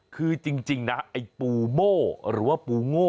คือจริงนะไอ้ปูโม่หรือว่าปูโง่